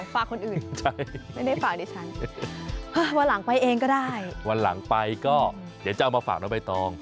ฝากคนอื่นไม่ได้ฝากดิฉันวันหลังไปเองก็ได้วันหลังไปก็เดี๋ยวจะเอามาฝากน้องใบตอง